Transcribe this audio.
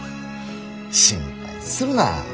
心配するな。